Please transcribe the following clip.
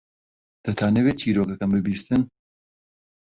دەتانەوێت چیرۆکەکەم ببیستن؟